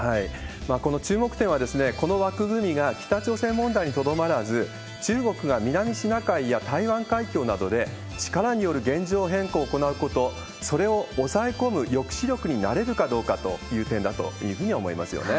この注目点は、この枠組みが北朝鮮問題にとどまらず、中国が南シナ海や台湾海峡などで力による現状変更を行うこと、それを抑え込む抑止力になれるかどうかという点だというふうに思いますよね。